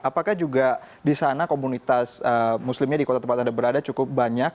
apakah juga di sana komunitas muslimnya di kota tempat anda berada cukup banyak